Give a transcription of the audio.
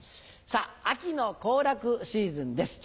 秋の行楽シーズンです。